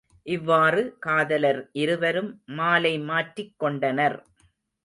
இவ்வாறு காதலர் இருவரும் மாலை மாற்றிக் கொண்டனர்.